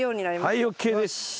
はいＯＫです。